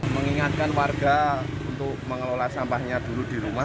mengingatkan warga untuk mengelola sampahnya dulu di rumah